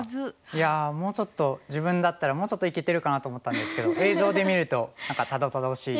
いやもうちょっと自分だったらもうちょっといけてるかなと思ったんですけど映像で見ると何かたどたどしいですね。